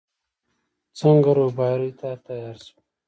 څنګه رېبارۍ ته تيار شوې.